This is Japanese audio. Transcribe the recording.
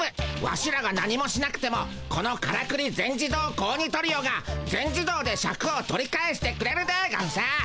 ワシらが何もしなくてもこのからくり全自動子鬼トリオが全自動でシャクを取り返してくれるでゴンス。